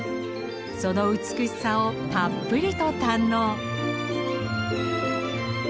その美しさをたっぷりと堪能。